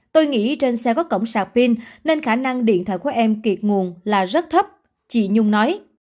tôi nghĩ trên xe có cổng sạc pin nên khả năng điện thoại của em kiệt nguồn là rất thấp chị nhung nói